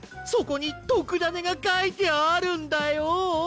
そこにとくダネがかいてあるんだよ！